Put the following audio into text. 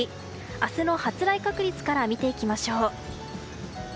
明日の発雷確率から見ていきましょう。